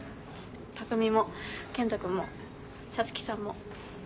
匠も健人君も皐月さんも。